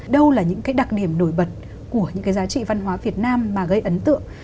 đâu là những cái đặc điểm nổi bật của những cái giá trị văn hóa việt nam mà gây ấn tượng